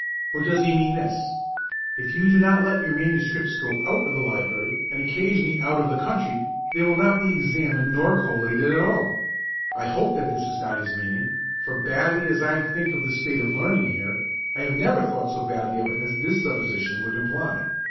Or does he mean this? If you do not let your MSS. go out of the Library, and occasionally out of the country, they will not be examined or collated at all? I hope that this is not his meaning; for badly as I think of the state of learning here, I have never thought so badly of it as this supposition would imply.